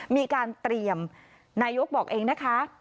มีการเตรียมนายกบอกเองนะคะ